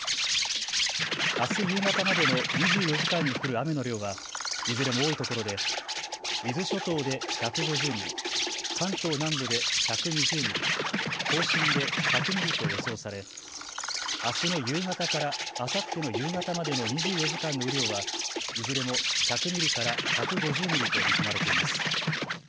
あす夕方までの２４時間に降る雨の量はいずれも多いところで伊豆諸島で１５０ミリ、関東南部で１２０ミリ、甲信で１００ミリと予想されあすの夕方からあさっての夕方までの２４時間の雨量はいずれも１００ミリから１５０ミリと見込まれています。